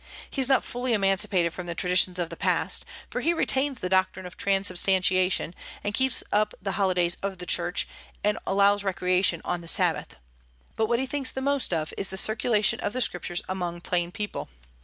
He is not fully emancipated from the traditions of the past; for he retains the doctrine of transubstantiation, and keeps up the holidays of the Church, and allows recreation on the Sabbath. But what he thinks the most of is the circulation of the Scriptures among plain people.